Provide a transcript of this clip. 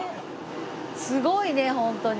すごいねホントに。